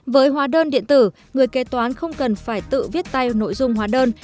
với hóa đơn điện tử người kế toán không cần phải tự viết tay nội dung hóa đơn